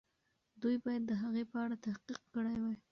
دوی باید د هغې په اړه تحقیق کړی وای.